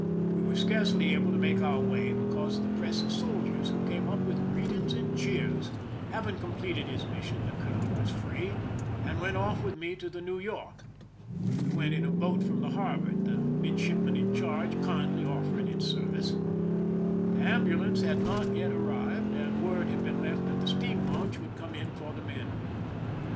We were scarcely able to make our way because of the press of soldiers who came up with greetings and cheers. Having completed his mission, the colonel was free, and went off with me to the New York. We went in a boat from the Harvard^ the midship man in charge kindly offering its service. The am bulance had not yet arrived, and word had been left that the steam launch would come in for the men.